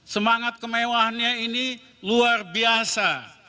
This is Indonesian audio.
semangat kemewahannya ini luar biasa